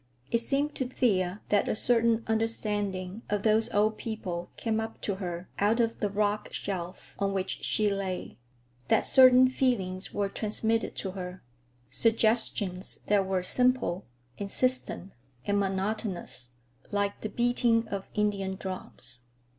It seemed to Thea that a certain understanding of those old people came up to her out of the rock shelf on which she lay; that certain feelings were transmitted to her, suggestions that were simple, insistent, and monotonous, like the beating of Indian drums.